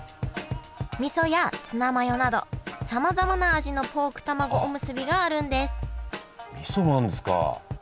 みそやツナマヨなどさまざまな味のポークたまごおむすびがあるんですみそもあるんですか。